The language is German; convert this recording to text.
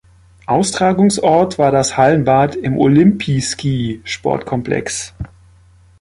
Austragungsort war das Hallenbad im Olimpijski-Sportkomplex.